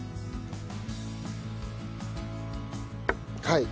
はい。